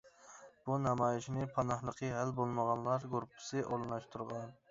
بۇ نامايىشنى پاناھلىقى ھەل بولمىغانلار گۇرۇپپىسى ئورۇنلاشتۇرغان.